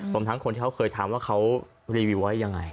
ทั้งคนที่เขาเคยถามว่าเขารีวิวไว้ยังไง